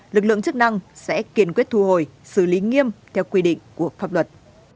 lực lượng chức năng sẽ kiên quyết thu hồi xử lý nghiêm theo quy định của pháp luật